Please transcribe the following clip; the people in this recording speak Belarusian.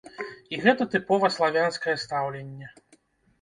І гэта тыпова славянскае стаўленне.